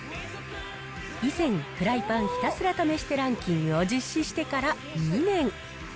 以前、フライパンひたすら試してランキングを実施してから２年。